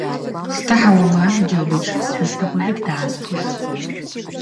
Сҭаҳауама анаџьалбеит шысҳәоз, ҭакәажәык даасԥылахит.